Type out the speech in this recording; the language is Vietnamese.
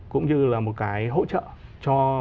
cũng như là một cái hỗ trợ